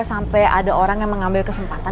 sampai ada orang yang mengambil kesempatan